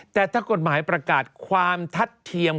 แต่ถ้ากฎหมายประกาศความทัดเทียม